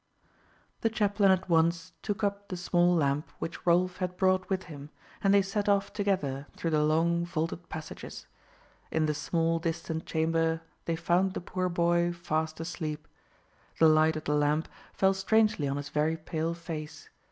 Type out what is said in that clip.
The chaplain at once took up the small lamp which Rolf had brought with him, and they set off together through the long vaulted passages. In the small distant chamber they found the poor boy fast asleep. The light of the lamp fell strangely on his very pale face.